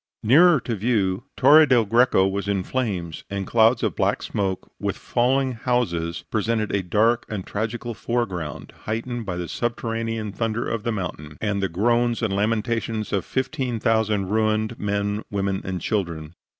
Nearer to view, Torre del Greco in flames, and clouds of black smoke, with falling houses, presented a dark and tragical foreground, heightened by the subterranean thunder of the mountain, and the groans and lamentations of fifteen thousand ruined men, women and children.